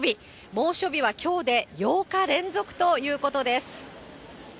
猛暑日はきょうで８日連続ということです。